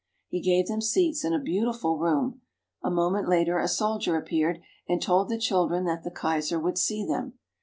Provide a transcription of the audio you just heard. He gave them seats in a beautiful room; a moment later a soldier appeared, and told the children that the Kaiser would see them.